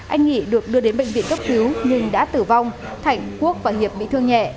anh nghị được đưa đến bệnh viện cấp cứu nhưng đã tử vong thạnh quốc và hiệp bị thương nhẹ